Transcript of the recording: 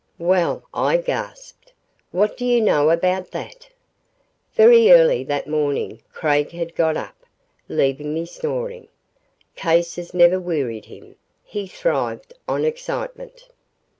"Well," I gasped, "what do you know about that?" Very early that morning Craig had got up, leaving me snoring. Cases never wearied him. He thrived on excitement.